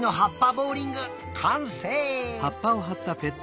ボウリングかんせい！